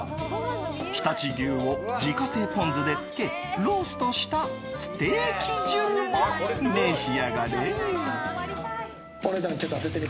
常陸牛を自家製ポン酢で漬けローストしたステーキ重も召し上がれ。